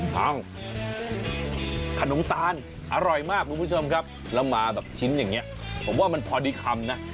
เอ้าขนมตาลอร่อยมากคุณผู้ชมครับแล้วมาแบบชิ้นอย่างนี้ผมว่ามันพอดีคำนะ